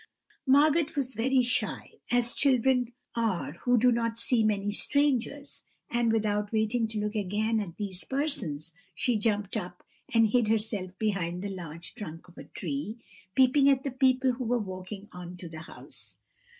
Margot was very shy, as children are who do not see many strangers, and without waiting to look again at these persons, she jumped up and hid herself behind the large trunk of a tree, peeping at the people who were walking on to the house.